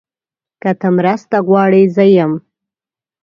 که ته مرسته غواړې، زه یم.